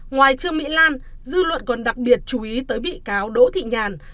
ngoài trương mỹ lan dư luận còn đặc biệt chú ý tới bị cáo đỗ thị nhàn